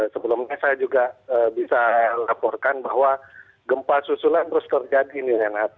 sebelumnya saya juga bisa laporkan bahwa gempa susulan terus terjadi nih renat